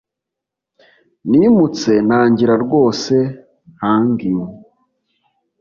nimutse ntangira rwose hangin '